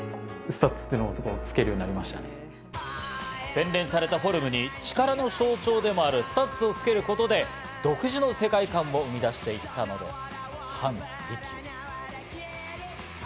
洗練されたフォルムに力の象徴でもあるスタッズをつけることで独自の世界観を生み出していったのです。